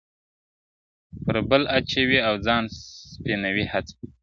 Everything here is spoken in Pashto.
پر بل اچوي او ځان سپينوي هڅه-